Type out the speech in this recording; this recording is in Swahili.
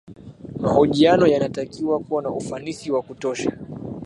mahojiano yanatakiwa kuwa na ufanisi wa kutosha